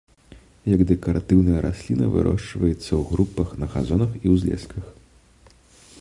Як дэкаратыўная расліна вырошчваецца ў групах на газонах і ўзлесках.